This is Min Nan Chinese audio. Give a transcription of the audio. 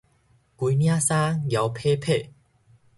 規領衫皺襞襞